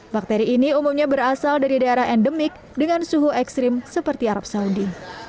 bakteri ini umumnya berasal dari daerah endemik dengan suhu ekstrim seperti arab saudi